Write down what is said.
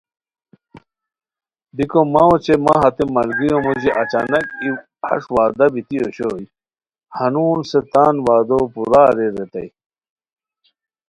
بیکو مہ اوچے مہ ہتے ملگیریو مُوژی اچانک ای ہݰ وعدہ بیتی اوشوئے، ہنون ہسے تان وعدو پورا اریر ریتائے